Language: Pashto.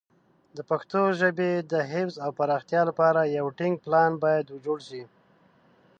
د پښتو ژبې د حفظ او پراختیا لپاره یو ټینګ پلان باید جوړ شي.